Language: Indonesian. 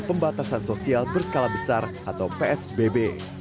pembatasan sosial berskala besar atau psbb